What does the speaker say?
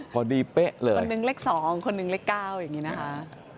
เป๊ะเลยคนหนึ่งเลข๒คนหนึ่งเลข๙อย่างนี้นะคะ